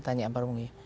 tanya ampar mungi